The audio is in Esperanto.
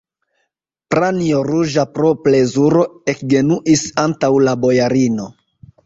Pranjo, ruĝa pro plezuro, ekgenuis antaŭ la bojarino.